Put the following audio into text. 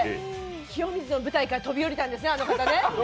清水の舞台から飛び降りたんですね、あの方ね。